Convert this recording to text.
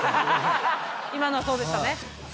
今のはそうでしたね。